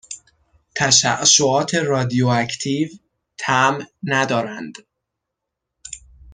تششعات رادیواکتیو طعم ندارند